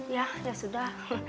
ya ya sudah